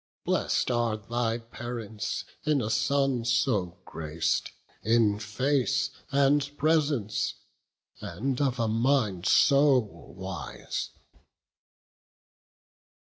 Bless'd are thy parents in a son so grac'd In face and presence, and of mind so wise."